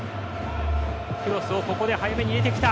クロスをここで早めに入れてきた。